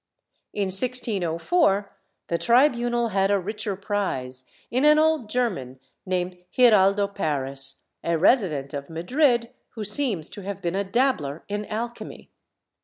In 1604 the tribunal had a richer prize, in an old German named Giraldo Paris, a resident of Madrid who seems to have been a dabbler in alchemy.